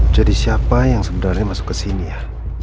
jadi siapa yang sebenarnya masuk kesini ya